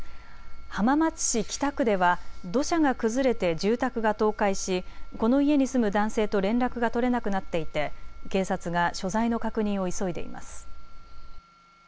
浜松市北区では土砂が崩れて住宅が倒壊し、この家に住む男性と連絡が取れなくなっていて警察が所在の確認を急いでいます。